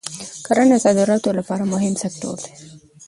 کرنه د صادراتو لپاره مهم سکتور دی.